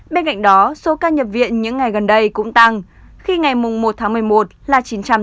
bên cạnh đó số ca nhập viện những ngày gần đây cũng tăng khi ngày một tháng một mươi một là chín trăm tám mươi chín